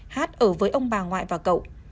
hát ở với ông bà ngoại và cậu